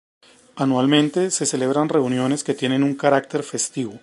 Anualmente se celebran reuniones que tienen un carácter festivo.